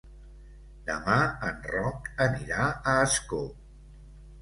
Demà en Roc anirà a Ascó.